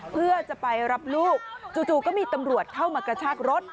เพื่อจะไปรับลูกจู่ก็มีตำรวจเข้ามากระชากรถ